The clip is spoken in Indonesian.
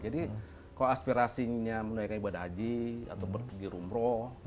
jadi kalau aspirasinya menaikkan ibadah haji atau berdiri umroh